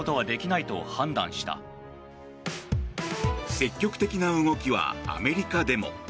積極的な動きはアメリカでも。